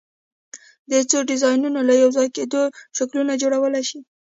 د څو ډیزاینونو له یو ځای کېدو شکلونه جوړولی شئ؟